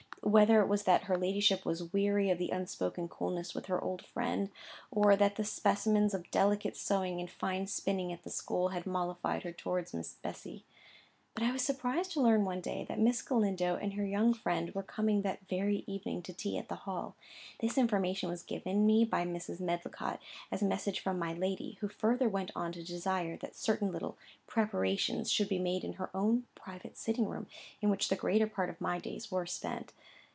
Whether it was that her ladyship was weary of the unspoken coolness with her old friend; or that the specimens of delicate sewing and fine spinning at the school had mollified her towards Miss Bessy; but I was surprised to learn one day that Miss Galindo and her young friend were coming that very evening to tea at the Hall. This information was given me by Mrs. Medlicott, as a message from my lady, who further went on to desire that certain little preparations should be made in her own private sitting room, in which the greater part of my days were spent.